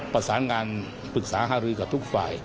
ประสานงานปรึกษาหารือกับทุกฝ่าย